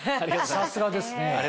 さすがですね。